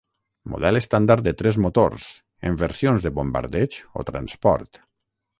Model estàndard de tres motors, en versions de bombardeig o transport.